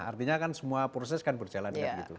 artinya kan semua proses kan berjalan